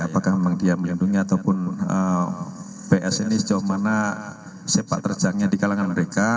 apakah memang dia melindungi ataupun psni sejauh mana sepak terjangnya di kalangan mereka